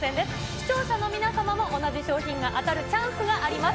視聴者の皆様も同じ賞品が当たるチャンスがあります。